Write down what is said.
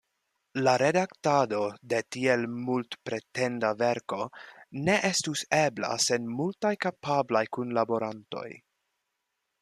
La redaktado de tiel multpretenda verko ne estus ebla sen multaj kapablaj kunlaborantoj.